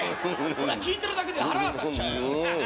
・聞いてるだけで腹が立っちゃうよ・